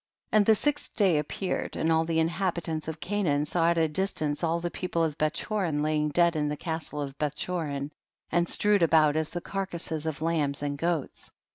13. And the sixth day appeared, and all the inhabitants of Canaan saw at a distance all the people of Bethchorin lying dead in the castle of Bethchorin, and strewed aboiU as the carcasses of lambs and goats.